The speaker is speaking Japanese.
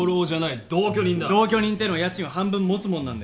同居人ってのは家賃を半分持つもんなんだよ。